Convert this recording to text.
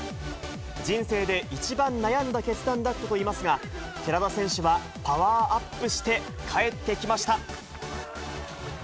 人生で一番悩んだ決断だったと言いますが、寺田選手はパワーアップして帰ってきました。